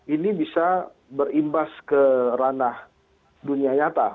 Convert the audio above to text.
ini bisa berimbas ke ranah dunia nyata